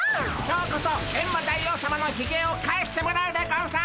今日こそエンマ大王さまのひげを返してもらうでゴンス！